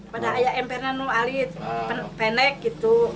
pada ayah empernya penek gitu